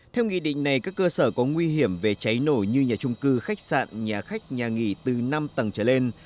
theo nghị định này các cơ sở có nguy hiểm về cháy nổ như nhà trung cư khách sạn nhà khách nhà nghỉ từ năm tầng trở lên